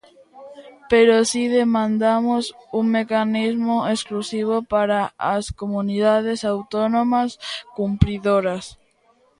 Pero si demandamos un mecanismo exclusivo para as comunidades autónomas cumpridoras.